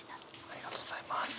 ありがとうございます。